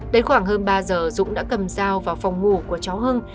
đến khoảng hơn ba giờ dũng đã cầm dao vào phòng ngủ của cháu hưng